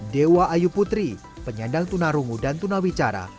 dewa ayu putri penyandang tunarungu dan tunawicara